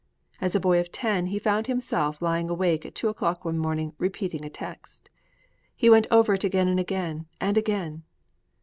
As a boy of ten, he found himself lying awake at two o'clock one morning, repeating a text. He went over it again and again and again.